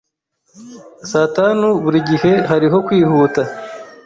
Saa tanu, burigihe hariho kwihuta.